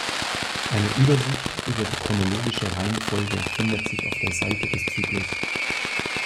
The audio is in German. Eine Übersicht über die chronologische Reihenfolge findet sich auf der Seite des Zyklus.